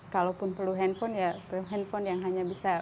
kalaupun perlu handphone